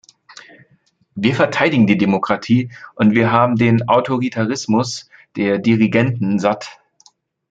Wir verteidigen die Demokratie, und wir haben den Autoritarismus der Dirigenten satt.